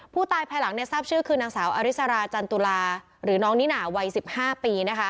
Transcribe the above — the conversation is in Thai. ภายหลังทราบชื่อคือนางสาวอริสราจันตุลาหรือน้องนิน่าวัย๑๕ปี